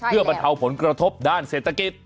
เพื่อบรรเทาผลกระทบด้านเศรษฐกิจ